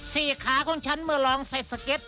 ขาของฉันเมื่อลองใส่สเก็ต